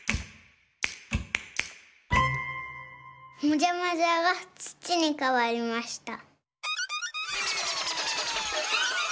もじゃもじゃがつちにかわりました。